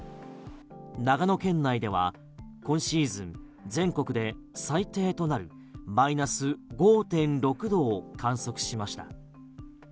長野県内では今シーズン全国で最低となるマイナス５．６度を観測しました。